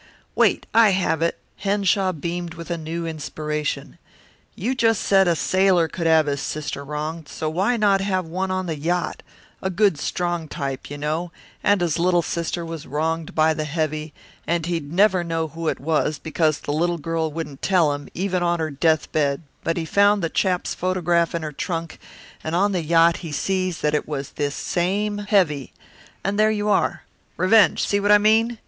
"Wait, I have it." Henshaw beamed with a new inspiration. "You just said a sailor could have his sister wronged, so why not have one on the yacht, a good strong type, you know, and his little sister was wronged by the heavy, and he'd never known who it was, because the little girl wouldn't tell him, even on her death bed, but he found the chap's photograph in her trunk, and on the yacht he sees that it was this same heavy and there you are. Revenge see what I mean?